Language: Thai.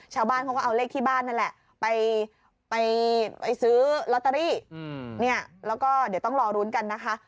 ชาวบ้านเขาก็เอาเลขที่บ้านนั่นแหละไปซื้อลอตเตอรี่เนี่ยแล้วก็เดี๋ยวต้องรอลุ้นกันนะคะ